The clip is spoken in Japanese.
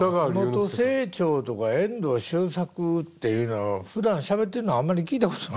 松本清張とか遠藤周作っていうのはふだんしゃべってるのあんまり聞いたことないのに。